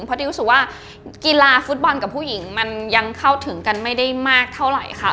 เพราะดิวรู้สึกว่ากีฬาฟุตบอลกับผู้หญิงมันยังเข้าถึงกันไม่ได้มากเท่าไหร่ค่ะ